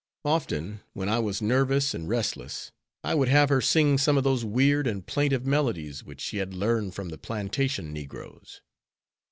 Often when I was nervous and restless I would have her sing some of those weird and plaintive melodies which she had learned from the plantation negroes.